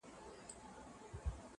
دصدقېجاريېزوردیتردېحدهپورې,